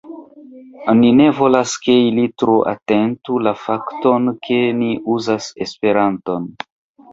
Ni ne volas, ke ili tro atentu la fakton, ke ni uzas Esperanton